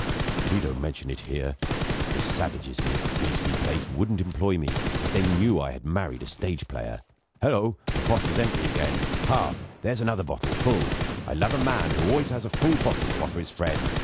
But we don't mention it here. The savages in this beastly place wouldn't employ me, if they knew I had married a stage player. Hullo! The bottle's empty again. Ha! here's another bottle, full. I love a man who has always got a full bottle to offer his friend.